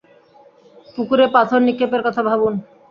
পুকুরে পাথর নিক্ষেপের কথা ভাবুন!